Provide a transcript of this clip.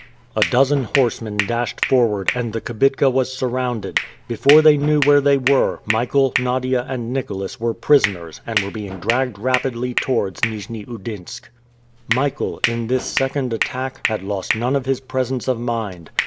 A dozen horsemen dashed forward, and the kibitka was surrounded. Before they knew where they were, Michael, Nadia, and Nicholas were prisoners, and were being dragged rapidly towards Nijni Oudinsk. Michael, in this second attack, had lost none of his presence of mind.